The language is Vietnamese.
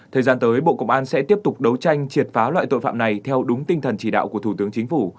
thời gian tới bộ công an sẽ tiếp tục đấu tranh triệt phá loại tội phạm này theo đúng tinh thần chỉ đạo của thủ tướng chính phủ